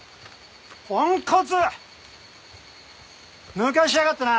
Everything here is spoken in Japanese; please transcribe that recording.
抜かしやがったな。